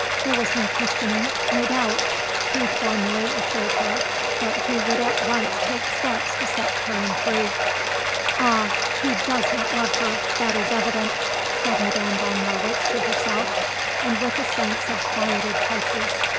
There was no questioning; no doubt. He formally assured her that he would at once take steps to set Karen free. "Ah, he does not love her, that is evident," said Madame von Marwitz to herself, and with a sense of quieted pulses.